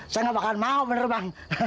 saya gak bakalan mau bener bang